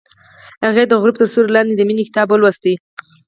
هغې د غروب تر سیوري لاندې د مینې کتاب ولوست.